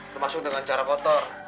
termasuk dengan cara kotor